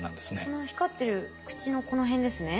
この光ってる口のこの辺ですね。